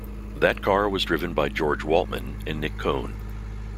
That car was driven by George Waltman and Nick Cone.